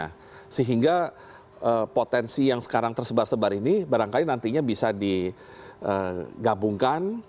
nah sehingga potensi yang sekarang tersebar sebar ini barangkali nantinya bisa digabungkan